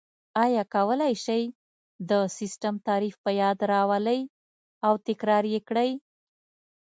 آیا کولای شئ د سیسټم تعریف په یاد راولئ او تکرار یې کړئ؟